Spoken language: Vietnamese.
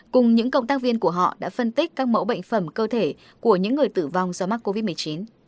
cùng những cộng tác viên của họ đã phân tích các mẫu bệnh phẩm cơ thể của những người tử vong do mắc covid một mươi chín